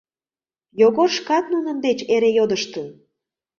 Йогор шкат нунын деч эре йодыштын.